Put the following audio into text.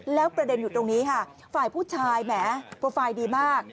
แล้วประเด็นอยู่ตรงนี้ค่ะฝ่ายผู้ชายแหมโปรไฟล์ดีมาก